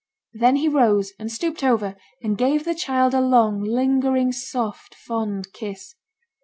Then he rose, and stooped over, and gave the child a long, lingering, soft, fond kiss.